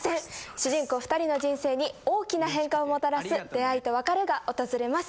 主人公２人の人生に大きな変化をもたらす出会いと別れが訪れます。